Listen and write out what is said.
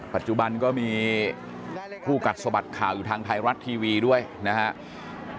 ปัจจุบันก็มีคู่กัดสะบัดข่าวอยู่ทางไทยรัฐทีวีด้วยนะครับ